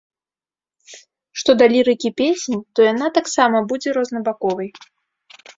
Што да лірыкі песень, то яна таксама будзе рознабаковай.